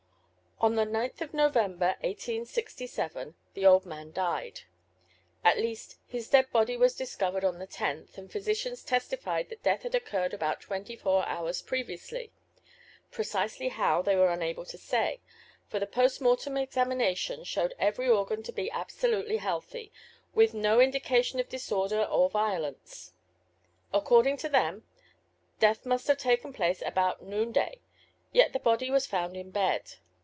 On the 9th of November, 1867, the old man died; at least his dead body was discovered on the 10th, and physicians testified that death had occurred about twenty four hours previouslyŌĆöprecisely how, they were unable to say; for the post mortem examination showed every organ to be absolutely healthy, with no indication of disorder or violence. According to them, death must have taken place about noonday, yet the body was found in bed.